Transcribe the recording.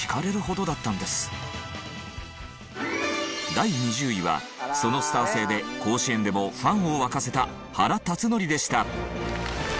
第２０位はそのスター性で甲子園でもファンを沸かせた原辰徳でした。